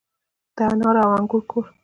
د انار او انګور کور.